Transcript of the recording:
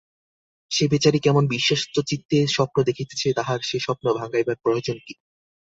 সে বেচারি কেমন বিশ্বস্তচিত্তে স্বপ্ন দেখিতেছে, তাহার সে স্বপ্ন ভাঙাইবার প্রয়োজন কী।